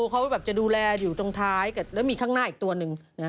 เขาแบบจะดูแลอยู่ตรงท้ายแล้วมีข้างหน้าอีกตัวหนึ่ง